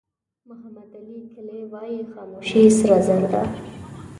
محمد علي کلي وایي خاموشي سره زر ده.